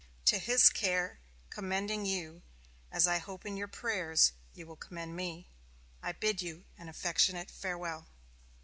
To His care commending you, as I hope in your prayers you will commend me, I bid you an affectionate farewell."